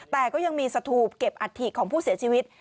แต่ก็ยังมีสถูปเก็บอัฐิของผู้เสียชีวิต